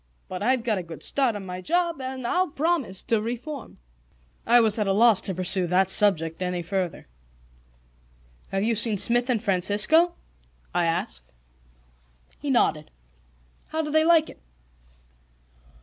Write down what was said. But I've got a good start on my job, and I'll promise to reform." I was at a loss to pursue that subject any further. "Have you seen Smith and Francisco?" I asked. He nodded. "How do they like it?"